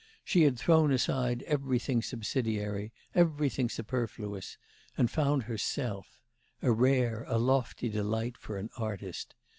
She had thrown aside everything subsidiary, everything superfluous, and found herself; a rare, a lofty delight for an artist!